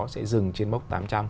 sẽ dừng trên mốc tám trăm linh